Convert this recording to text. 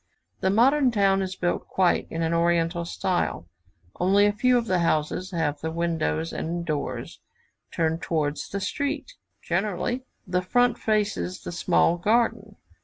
The modern town is built quite in the Oriental style; only a few of the houses have the windows and doors turned towards the streets; generally the front faces the small garden.